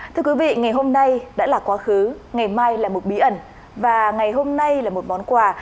thưa quý vị ngày hôm nay đã là quá khứ ngày mai là một bí ẩn và ngày hôm nay là một món quà